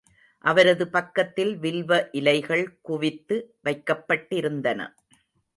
அவரது பக்கத்தில் வில்வ இலைகள் குவித்து வைக்கப்பட்டிருந்தன.